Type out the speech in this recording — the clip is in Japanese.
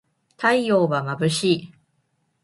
太陽はまぶしい